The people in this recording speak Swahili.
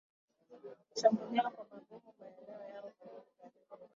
kushambulia kwa mabomu maeneo yao mawili karibu